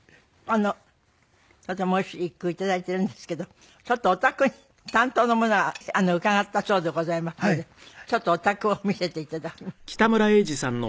とてもおいしく頂いているんですけどちょっとお宅に担当の者が伺ったそうでございますのでちょっとお宅を見せて頂きます。